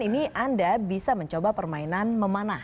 ini anda bisa mencoba permainan memanah